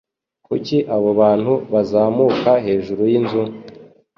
Kuki abo bantu bazamuka hejuru yinzu?